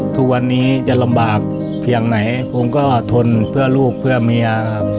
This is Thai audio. ทุกวันนี้จะลำบากเพียงไหนผมก็ทนเพื่อลูกเพื่อเมียครับ